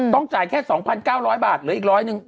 ต้องจ่ายแค่๒๙๐๐บาทเหลืออีกร้อยหนึ่ง